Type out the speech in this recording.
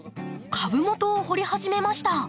株元を掘り始めました。